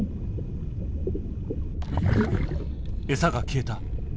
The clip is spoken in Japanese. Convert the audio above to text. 餌が消えた！